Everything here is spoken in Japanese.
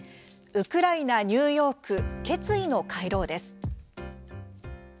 「ウクライナニューヨーク決意の回廊」です。